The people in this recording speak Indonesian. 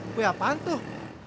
kue apaan tuh